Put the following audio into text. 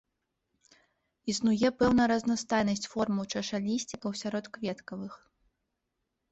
Існуе пэўная разнастайнасць формаў чашалісцікаў сярод кветкавых.